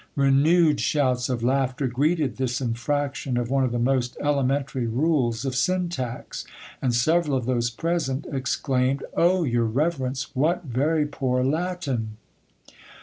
Renewed shouts of laughter greeted this infraction of one of the most elementary rules of syntax, and several of those present exclaimed: "Oh, your reverence, what very poor Latin!"